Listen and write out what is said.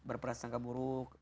berperasa sangka buruk